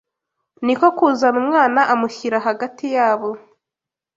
Ni ko kuzana umwana amushyira hagati yabo